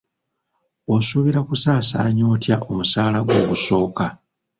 Osuubira kusaasaanya otya omusaala gwo ogusooka?